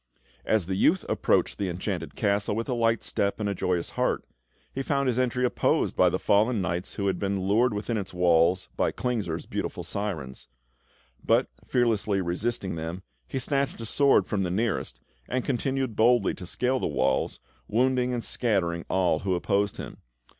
As the youth approached the Enchanted Castle with a light step and joyous heart, he found his entry opposed by the fallen knights who had been lured within its walls by Klingsor's beautiful sirens; but, fearlessly resisting them, he snatched a sword from the nearest, and continued boldly to scale the walls, wounding and scattering all who opposed him.